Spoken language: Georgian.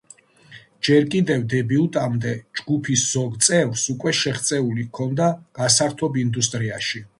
ჯერ კიდევ დებიუტამდე ჯგუფის ზოგ წევრს უკვე შეღწეული ჰქონდა გასართობ ინდუსტრიაში.